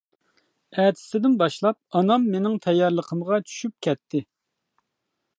ئەتىسىدىن باشلاپ ئانام مىنىڭ تەييارلىقىمغا چۈشۈپ كەتتى.